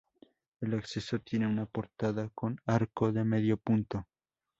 El acceso tiene una portada con arco de medio punto.